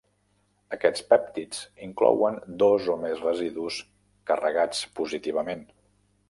Aquests pèptids inclouen dos o més residus carregats positivament.